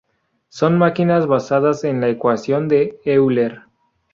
Son máquinas basadas en la Ecuación de Euler.